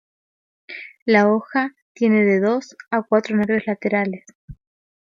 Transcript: La hoja tiene de dos a cuatro nervios laterales.